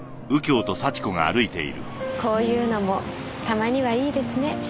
こういうのもたまにはいいですね。